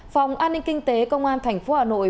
phòng an ninh kinh tế công an thành phố hà nội